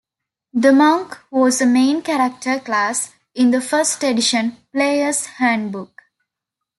The monk was a main character class in the first edition "Players Handbook".